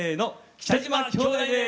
北島兄弟です。